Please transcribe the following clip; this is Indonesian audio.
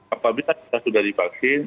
apabila kita sudah divaksin